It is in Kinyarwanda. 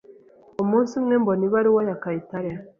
Umunsi umwe mbona ibaruwa ya Kayitare.